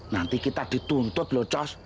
nanti kita dituntut loh chos